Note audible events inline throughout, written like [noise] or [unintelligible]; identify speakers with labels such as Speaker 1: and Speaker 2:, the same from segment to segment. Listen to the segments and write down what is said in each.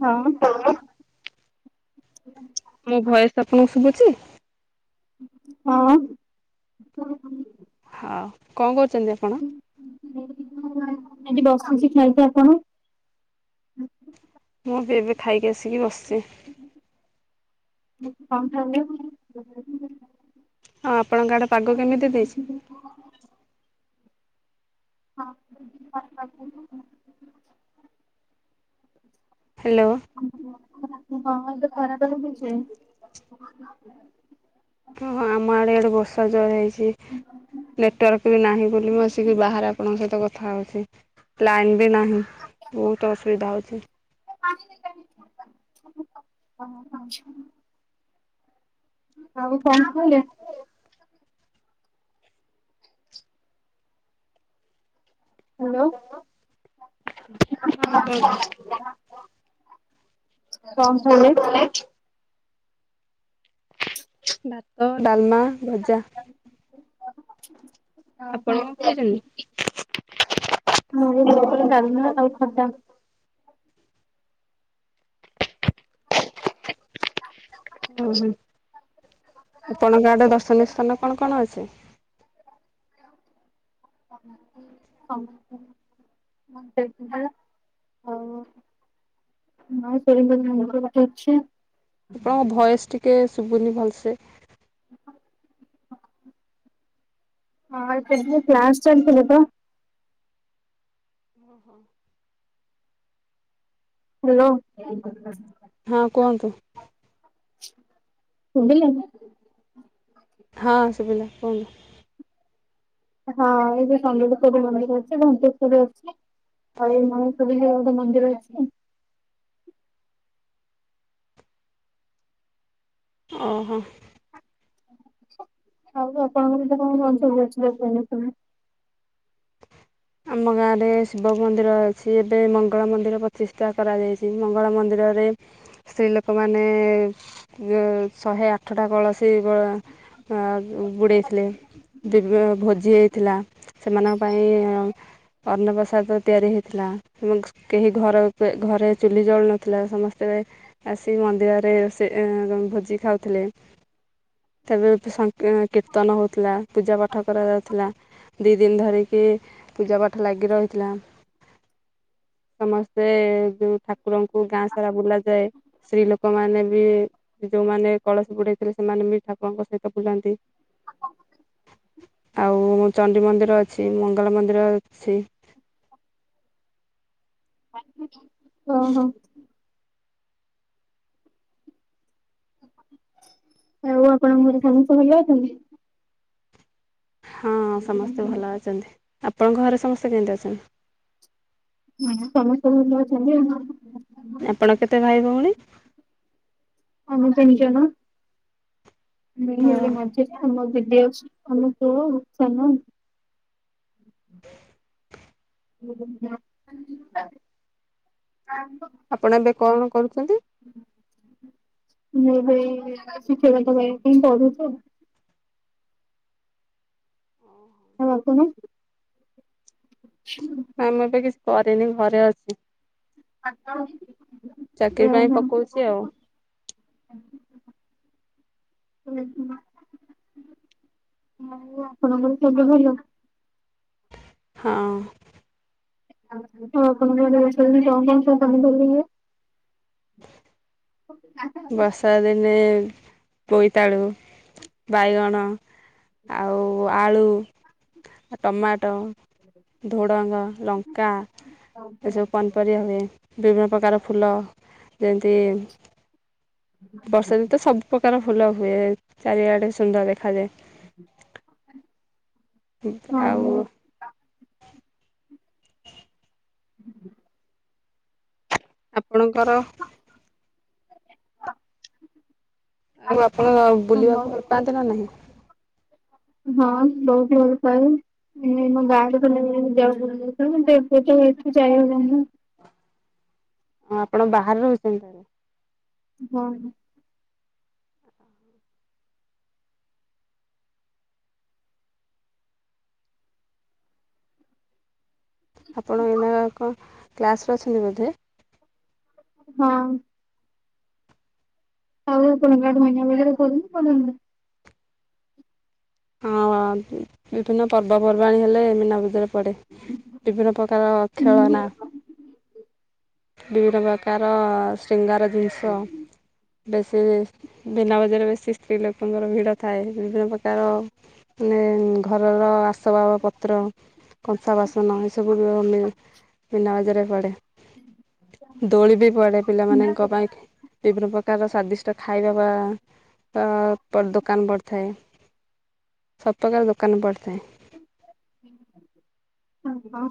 Speaker 1: ହଁ
Speaker 2: ମୋ ଭଏସ ଆପଣଙ୍କୁ ଶୁଭୁଛି?
Speaker 1: ହଁ।
Speaker 2: ହଉ କଣ କରୁଛନ୍ତି ଆପଣ?
Speaker 1: ଏଠି ବସଛି ଖାଇକି, ଆପଣ?
Speaker 2: ମୁଁ ବି ଏବେ ଖାଇକି ଆସିକି ବସିଛି।
Speaker 1: ମୁଁ କହିଲି କଣ ଖାଇଲେ?
Speaker 2: ଆ ଆପଣଙ୍କ ଆଡ଼େ ପାଗ କେମିତି ଦେଇଛି?
Speaker 1: ହଁ [unintelligible]
Speaker 2: ହ୍ୟାଲୋ।
Speaker 1: [unintelligible] କଣ କହିଲେ ଖରା ପାଗ ଦେଇଛି।
Speaker 2: ହଁ ହଁ ଆମ ଆଡେ ଏଆଡେ ବର୍ଷା ଜୋରେ ହେଇଛି। ଇ ନେଟୱାର୍କ ବି ନାହିଁ ବୋଲି ମୁଁ ଆସିକି ବାହାରେ ଆପଣଙ୍କ ସହିତ କଥା କଥା ହଉଛି ଲାଇନ୍ ବି ନାହିଁ ବହୁତ ଅସୁବିଧା ହଉଛି।
Speaker 1: ପା [unintelligible] ଆଉ କଣ କହିଲେ? ହ୍ୟାଲୋ। କଣ କହିଲେ?
Speaker 2: କଛି [inaudible] ଭାତ, ଡଲମା, ଭଜା
Speaker 1: [inaudible]
Speaker 2: ଆପଣ କଣ କହୁଛନ୍ତି?
Speaker 1: ମୁଁ ବି ଭାତ, ଡାଲମା, ଆଉ ଖଟା
Speaker 2: ଓହୋ ଆପଣଙ୍କ ଆଡେ ଦର୍ଶନୀୟ ସ୍ଥାନ କଣ କଣ ଅଛି?
Speaker 1: ଆ [unintelligible] ହଁ [unintelligible] ଅଛି।
Speaker 2: ଆପଣଙ୍କ ଭଏସ ଟିକେ ଶୁଭୁନି ଭଲସେ।
Speaker 1: ହଁ ଏତେ ଦିନେ କ୍ଲାସ୍ ଚାଲିଥିବ ତ।
Speaker 2: ଓ ହୋ।
Speaker 1: ହ୍ୟାଲୋ।
Speaker 2: ହଁ କୁହନ୍ତୁ।
Speaker 1: ସୁଵିଲା।
Speaker 2: ହଁ ସୁବିଲା କୁହନ୍ତୁ।
Speaker 1: ହଁ ଏବେ ସମଙ୍ଗେଶ୍ଵରୀ ମନ୍ଦିର ଅଛି, ଘଣ୍ଟେଶ୍ଵର ଅଛି। ହଳି ମଣି ସବ ଭଳିଆ ଗୋଟେ ମନ୍ଦିର ଅଛି।
Speaker 2: ଓହୋ।
Speaker 1: ଆଉ ଆପଣଙ୍କ [unintelligible]
Speaker 2: ଆମ ଗାଁରେ ଶିବ ମନ୍ଦିର ଅଛି, ଏବେ ମଙ୍ଗଳା ମନ୍ଦିର ପ୍ରତିଷ୍ଠା କରାଯାଇଛି, ମଙ୍ଗଳା ମନ୍ଦିରରେ ସ୍ତ୍ରୀ ଲୋକମାନେ ୱ ଶହେ ଆଠଟା କଳସୀ ବ ଆ ବୁଡ଼େଇଥିଲେ। ଦିବ୍ୟ ଭୋଜି ହେଇଥିଲା ସେମାନଙ୍କ ପାଇଁ ଅଲଗା ଶାଗ ତିଆରି ହେଇଥିଲା, ମିକ୍ସ କେହି ଘର ଉପ ଘରେ ଚୁଲି ଜଳୁନଥିଲା ସମସ୍ତେ ଆସି ମନ୍ଦିରରେ ରୋସେ ଭୋଜି ଖାଉଥିଲେ। ତେବେ ସଂକ୍ କୀର୍ତ୍ତନ ହେଉଥିଲା ପୂଜା ପାାଠ କରାଯାଉଥିଲା। ଦି ଦିନି ଧରିକି ପୂଜା ପାଠ ଲାଗି ରହିଥିଲା, ସମସ୍ତେ ଯଉଠା ଠାକୁରଙ୍କୁ ଗାଁ ସାରା ବୁଲା ଯାଏ। ସ୍ତ୍ରୀ ଲୋକମାନେ ବି ଯୋଉମାନେ କଳସୀ ବୁଡେଇଥିଲେ ସେମାନେ ବି ଠାକୁରଙ୍କ ସହିତ ବୁଲନ୍ତି। ଆଉ ଚଣ୍ଡି ମନ୍ଦିର ଅଛି ମଙ୍ଗଳା ମନ୍ଦିର ଅଛି।
Speaker 1: ହଁ ହୋ। ଆଉ ଆପଣଙ୍କର ଘରେ ସମସ୍ତେ ଭଲ ଅଛନ୍ତି?
Speaker 2: ହଁ ସମସ୍ତେ ଭଲ ଅଛନ୍ତି। ଆପଣଙ୍କ ଘରେ ସମସ୍ତେ କେମିତି ଅଛନ୍ତି?
Speaker 1: ହଁ ସମସ୍ତେ ଭଲ ଅଛନ୍ତି ଆଉ।
Speaker 2: ଆପଣ କେତେ ଭାଇ ଭଉଣୀ?
Speaker 1: ଆମେ ତିନି ଜଣ। ମୁ
Speaker 2: ହଁ
Speaker 1: ହେଲି ମଝିରେ ଆମ ଦିଦି ଆଉ ଆମ ପୁଅ ସାନ। [unintelligible]
Speaker 2: ଆପଣ ଏବେ କଣ କରୁଚନ୍ତି?
Speaker 1: ମୁଁ ଏବେ ଏଇ [unintelligible] ପାଇଁ ପଢୁଛି ଆଉ। ଆଉ ଆପଣ ଛୁଁ?
Speaker 2: ନାଇଁ ମୁଁ ଏବେ କିଛି କରେନି ଘରେ ଅଛି।
Speaker 1: [unintelligible]
Speaker 2: ଚାକିରି ପାଇଁ
Speaker 1: ହୁଁ
Speaker 2: ପକଉଛି ଆଉ
Speaker 1: ହୁଁ। ଓ ହଁ। ଆଉ ଆପଣଙ୍କର ସବୁ ଭଲ?
Speaker 2: ହଁ।
Speaker 1: ଆପଣଙ୍କ ଘରେ ସବୁ କଣ କଣ ପନିପରିବାହୁଏ? [unintelligible]
Speaker 2: ବର୍ଷା ଦିନେ ବୋଇତାଳୁ ବାଇଗଣ ଆଉ ଆଳୁ, ଟମାଟୋ।
Speaker 1: [inaudible]
Speaker 2: ଧୂଡ଼ଙ୍ଗ, ଲଙ୍କା। ଏସବୁ ପନିପରିବା ହୁଏ ବିଭିନ୍ନ ପ୍ରକାର ଫୁଲ ଯେମିତି ବର୍ଷା ଦିନ ତ ସବୁ ପ୍ରକାର ଫୁଲ ହୁଏ ଚାରିଆଡେ ସୁନ୍ଦର ଦେଖାଯାଏ। ହୁଁ
Speaker 1: ହଁ
Speaker 2: ଆଉ
Speaker 1: [inaudible]
Speaker 2: ଆପଣଙ୍କର? ଆଉ ଆପଣ
Speaker 1: ଆମ
Speaker 2: ବୁଲିବାକୁ ଭଲ ପାଆନ୍ତି ନା ନାହିଁ?
Speaker 1: ହଁ ଭୋଉତୁ ଭଲ ପାଏ। [unintelligible]
Speaker 2: ହଁ ଆପଣ ବାହାରେ ରହୁଛନ୍ତି ତାହେଲେ?
Speaker 1: ହଁ ହଁ।
Speaker 2: [inaudible] ଆପଣ ଏଇନା କଣ କ୍ଲାସ୍ ପ୍ଲାସ ନେବେ ବୋଧେ?
Speaker 1: ହଁ। ଆଉ ଆପଣଙ୍କ ଆଡେ ମିନା ବଜାର ପଡେ ନା ପଡ଼େନି?
Speaker 2: ହଁ ବିଭିନ୍ନ ପର୍ବପର୍ବାଣୀ ହେଲେ ମୀନା ବଜାର ପଡ଼େ। ବିଭିନ୍ନ ପ୍ରକାର
Speaker 1: ହୁଁ
Speaker 2: ଖେଳନା। ବିଭିନ୍ନ ପ୍ରକାର ଶ୍ରୀଙ୍ଗାର ଜିନିଷ। ବେଶୀ ମୀନା ବଜାରରେ ବେଶୀ ସ୍ତ୍ରୀ ଲୋକଙ୍କର ଭିଡ଼ ଥାଏ ବିଭିନ୍ନ ପ୍ରକାର ମାନେ ଘରର ଆସବାବ ପତ୍ର କଂସା ବାସନ ଏସବୁ ବି ମୀନା ବଜାର ରେ ପଡ଼େ। ଦୋଳି ବି ପଡେ ପିଲାମାନଙ୍କ ପାଇଁ, ବିଭିନ୍ନ ପ୍ରକାର ସ୍ଵାଦିଷ୍ଟ ତ ଖାଇବାବା ଦୋକାନ ପଡିଥାଏ। ସବୁପ୍ରକାର ଦୋକାନ ପଡ଼ିଥାଏ।
Speaker 1: ଓହୋ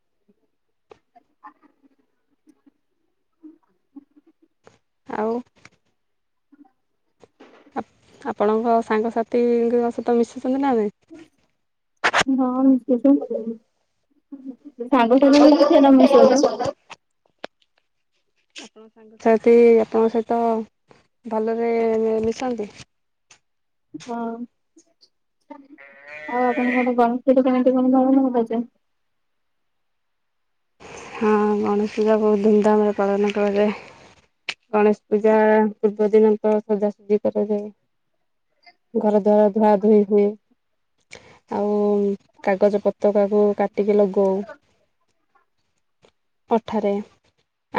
Speaker 1: [inaudible]
Speaker 2: ଆଉ
Speaker 1: [inaudible]
Speaker 2: ଆପଣଙ୍କ ସାଙ୍ଗସାଥିଙ୍କ ସହିତ ମିଶୁଛନ୍ତି ନା ନାହିଁ?
Speaker 1: ହଁ ମିଶୁଚି [unintelligible]
Speaker 2: ଆପଣଙ୍କ ସାଙ୍ଗସାଥି ଆପଣଙ୍କ ସହିତ ଭଲରେ ମିଶନ୍ତି।
Speaker 1: ହଁ ଆଉ ଆପଣଙ୍କ [unintelligible]
Speaker 2: ହଁ, ଗଣେଶ ପୂଜା ବହୁତ୍‌ ଧୁମଧାମରେ ପାଳନ କରାଯାଏ। ଗଣେଶ ପୂଜା ପୂର୍ବ ଦିନ ତ ସଜାସଜି କରାଯାଏ। ଘର ଦ୍ୱାର ଧୁଆ ଧୁଇ ହୁଏ। ଆଉ କାଗଜ ପତକାକୁ କାଟିକି ଲଗଉ। ଅଠାରେ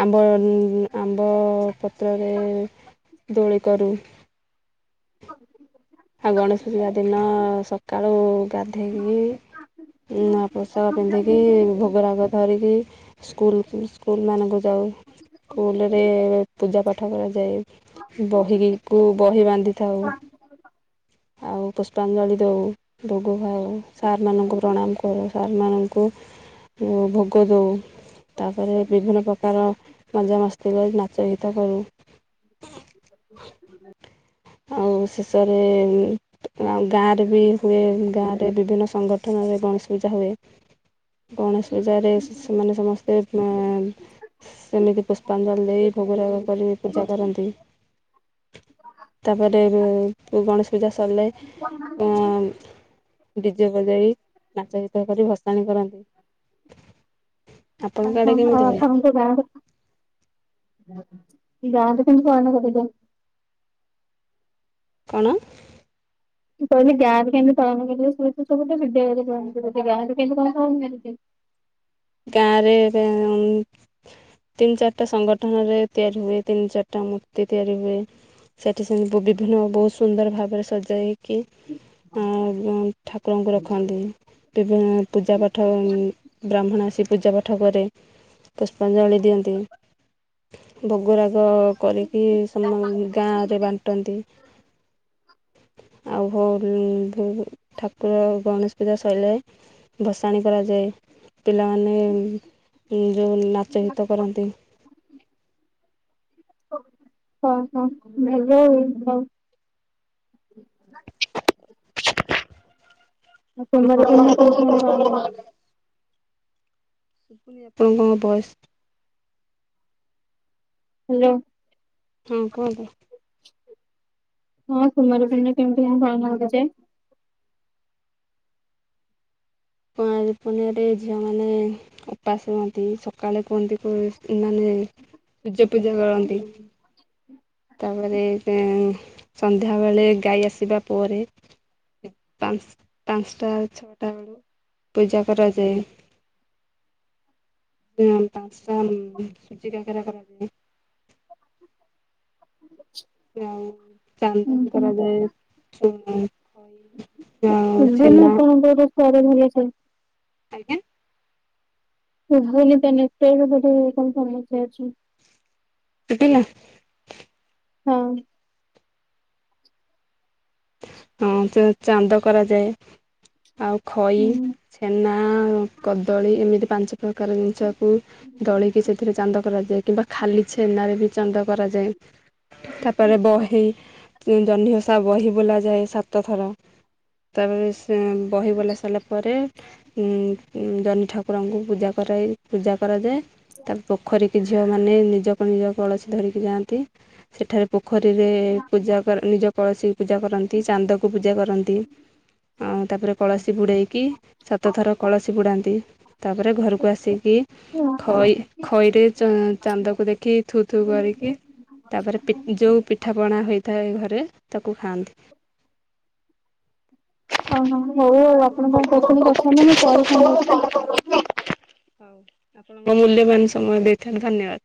Speaker 2: ଆମ୍ବ ଆମ୍ବ -ପତ୍ରରେ ଦୋଳି କରୁ। ଆଉ ଗଣେଶ ପୂଜା ଦିନ ସକାଳୁ ଗାଧେଇକି ନୂଆ ପୋଷାକ ପିନ୍ଧିକି ଭୋଗରାଗ ଧରିକି ସ୍କୁଲ୍ କୁ ସ୍କୁଲ ମାନଙ୍କୁ ଯାଉ ସ୍କୁଲରେ ପୂଜା ପାଠ କରାଯାଏ। ବହିକୁ ବହି ବାନ୍ଧିଥାଉ। ଆଉ ପୁଷ୍ପାଞ୍ଜଳି ଦଉ। ଭୋଗ ଖାଉ ସାରମାନଙ୍କୁ ପ୍ରଣାମ କରୁ ସାରମାନଙ୍କୁ ଓ ଭୋଗଦଉ। ତାପରେ ବିଭିନ୍ନ ପ୍ରକାର ମଜାମସ୍ତି କରି ନାଚ ଗୀତ କରୁ। ଆଉ ଶେଷରେ ଆଉ ଗାଁରେ ବି ହୁଏ ଗାଁରେ ବିଭିନ୍ନ ସଂଗଠନରେ ଗଣେଶ ପୂଜା ହୁଏ। ଗଣେଶ ପୂଜାରେ ଶିଶୁମାନେ ସମସ୍ତେ ସେମିତି ପୁଷ୍ପାଞ୍ଜଳି ଦେଇ ଭୋଗରାଗ କରି ପୂଜା କରନ୍ତି। ତାପରେ ଓ ଗଣେଶ ପୂଜା ସରିଲେ ଡିଜେ ବଜାଇ ନାଚ ଗୀତ କରି ଭସାଣି କରନ୍ତି। ଆପଣଙ୍କ ଆଡ଼େ କେମିତି ହୁଏ
Speaker 1: [unintelligible] [inaudible]
Speaker 2: କଣ?
Speaker 1: ମୁଁ କହିଲି ଗାଁରେ କେମିତି ପାଳନ କରନ୍ତି ସବୁ ତ ବିଦ୍ୟାଳୟରେ ପାଳନ କରନ୍ତି ଗାଁରେ କେମିତି କଣ ପାଳନ କରନ୍ତି।
Speaker 2: ଗାଁରେ ତିନି ଚାରିଟା ସଂଗଠନ ରେ ତିଆରି ହୁଏ ତିନି ଚାରିଟା ମୂର୍ତି ତିଆରି ହୁଏ। ସେଠି ସେମି ବିଭିନ୍ନ ବହୁତ ସୁନ୍ଦର ଭାବରେ ସଜାଇକି ହଁ ଠାକୁରଙ୍କୁ ରଖନ୍ତି। ବିଭିନ୍ନ ପୂଜା ପାଠ ବ୍ରାହ୍ମଣ ଆସି ସେ ପୂଜା ପାଠ କରେ, ପୁଷ୍ପାଞ୍ଜଳି ଦିଅନ୍ତି। ଭୋଗରାଗ କରିକି ସେମାନେ ଗାଁରେ ବାଣ୍ଟନ୍ତି। ଆଉ ଭୋରୁ ଠାକୁର ଗଣେଶ ପୂଜା ସଇଲେ। ଭସାଣି କରାଯାଏ। ମାନେ ଯୋଉଁ ନାଚ ଗୀତ କରନ୍ତି।
Speaker 1: ହଁ ହଁ ଭଲ ଆଉ କଁ। କଣ୍ଡାର କଁନା‌ [unintelligible]
Speaker 2: ଶୁବୁନି‌ ଆପ ହଁ ହଁ ବାସ୍‌।
Speaker 1: ହ୍ୟାଲୋ।
Speaker 2: ହୁଁ କୁହନ୍ତୁ।
Speaker 1: ହଁ କୁମାର ପୂର୍ଣ୍ଣିମା କେମିତି କଣ ପାଳନ କଲେ ଯେ?
Speaker 2: କୁଆଁର ପୁନେଇଁରେ ଝିଅମାନେ ଉପାସ ହୁଅନ୍ତି। ସକାଳେ କୁହନ୍ତି [unintelligible] ମାନେ ସୂର୍ଯ୍ୟ ପୂଜା କରନ୍ତି। ତାପରେ ଏ ସନ୍ଧ୍ୟାବେଳେ ଗାଈ ଆସିବା ପରେ ପାଞ୍ଚ୍ ପାଞ୍ଚଟା ଛଅଟା ବେଳୁ ପୂଜା କରାଯାଏ। ପାଞ୍ଚଟା ଉମ୍ ସୁଜି କାକରା କରାଯାଏ। ଆଉ
Speaker 1: ଉଁ
Speaker 2: ଚାନ୍ଦ ବି
Speaker 1: ହୁଁ
Speaker 2: କରାଯାଏ। ଖଇ
Speaker 1: [unintelligible]
Speaker 2: ଆଜ୍ଞା?
Speaker 1: [unintelligible]
Speaker 2: [unintelligible]
Speaker 1: ହଁ!
Speaker 2: ହଁ [unintelligible] ଚାନ୍ଦ କରାଯାଏ। ଆଉ ଖଇ
Speaker 1: ହୁଁ।
Speaker 2: ଛେନା, କଦଳୀ ଏମିତି ପାଞ୍ଚ ପ୍ରକାର ଜିନିଷକୁ ଦଳିକି ସେଥିରେ ଚାନ୍ଦ କରାଯାଏ କିମ୍ବା ଖାଲି ଛେନାରେ ବି ଚାନ୍ଦ କରାଯାଏ। ତାପରେ ବହି ତି ଜହ୍ନି ଓଷା ବହି ବୁଲା ଯାଏ ସାତଥର। ତାପରେ ସେ ବହି ବୋଲା ସାରିଲା ପରେ ଉଁ ଉଁ ଜନି ଠାକୁରଙ୍କୁ ପୂଜା କରାଯାଇ ପୂଜା କରାଯାଏ। ତା ପୋଖରୀ କି ଝିଅମାନେ ନିଜକୁ ନିଜକୁ ଅଳସୀ ଧରିକି ଯାଆନ୍ତି। ସେଠାରେ ପୋଖରୀରେ ପୂଜା କର ନିଜ କଳସୀ ପୂଜା କରନ୍ତି। ଚାନ୍ଦକୁ ପୂଜା କରନ୍ତି। ଆଉ ତାପରେ କଳସୀ ବୁଡ଼େଇକି ସାତ ଥର କଳସୀ ବୁଡ଼ାନ୍ତି। ତାପରେ ଘରକୁ ଆସିକି ଖଇ ଖଇରେ ଚଉ ଚାନ୍ଦାକୁ ଦେଖି ଥୁ ଥୁ କରିକି ତାପରେ ପି ଯୋଉ ପିଠାପଣା ହୋଇ ଘରେ ତାକୁ ଖାଆନ୍ତି।
Speaker 1: ହ ହ ହଉ ଆଉ ଆପଣଙ୍କ ପତ୍ନୀ କଥା ନା ମୁଁ ପରେ [unintelligible]
Speaker 2: ହଉ ଆପଣଙ୍କ ମୂଲ୍ୟବାନ ସମୟ ଦେଇଥାନ୍ତି ଧନ୍ୟବାଦ୍।